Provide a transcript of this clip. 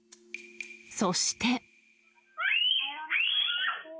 そして。